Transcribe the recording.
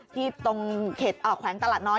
ที่ตรงเขตออกแขวงตลาดน้อย